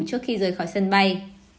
trước khi rời khỏi sân bay